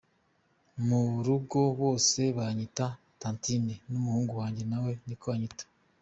Mu rugo bose banyita Tantine, n’umuhungu wanjye nawe niko anyita.